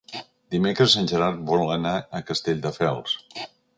Dimecres en Gerard vol anar a Castelldefels.